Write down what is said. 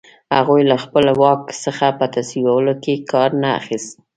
هغوی له خپل واک څخه په تصویبولو کې کار نه اخیست.